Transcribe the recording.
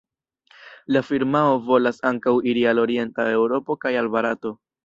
La firmao volas ankaŭ iri al orienta Eŭropo kaj al Barato.